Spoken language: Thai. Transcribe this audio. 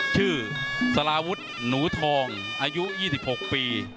ชื่อสลาวุธหนูทองอายุ๒๖ปี